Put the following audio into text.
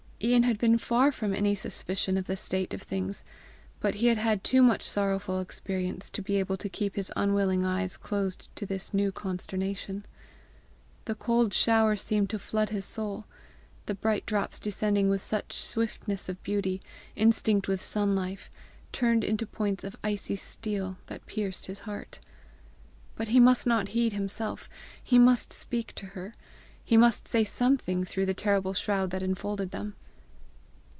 Ian had been far from any suspicion of the state of things, but he had had too much sorrowful experience to be able to keep his unwilling eyes closed to this new consternation. The cold shower seemed to flood his soul; the bright drops descending with such swiftness of beauty, instinct with sun life, turned into points of icy steel that pierced his heart. But he must not heed himself! he must speak to her! He must say something through the terrible shroud that infolded them!